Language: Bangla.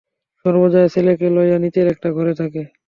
সর্বজয়া ছেলেকে লইয়া নিচের একটা ঘরে থাকে।